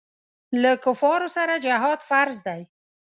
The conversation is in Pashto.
له کفارو سره جهاد فرض دی.